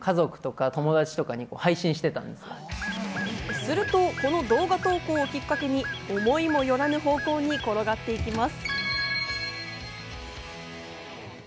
すると、この動画投稿をきっかけに思いもよらぬ方向に転がって行きます。